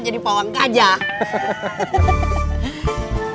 jadi pawang kajah kan